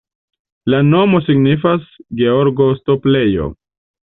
La nomo signifas: Georgo-stoplejo.